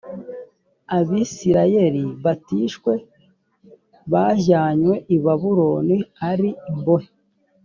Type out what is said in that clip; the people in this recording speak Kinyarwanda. abisirayeli batishwe bajyanywe i babuloni ari imbohe